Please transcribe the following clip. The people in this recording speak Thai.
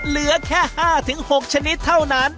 เหลือแค่๕๖ชนิดเท่านั้น